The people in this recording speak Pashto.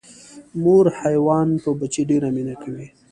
مور حیوان په بچي ډیره مینه کوي